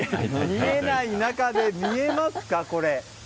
見えない中で見えますか、これ。